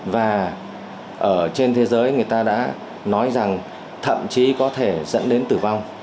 và ở trên thế giới người ta đã nói rằng thậm chí có thể dẫn đến tử vong